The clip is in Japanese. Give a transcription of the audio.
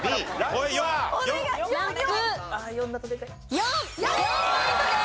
４ポイントです。